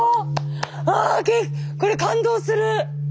あこれ感動する！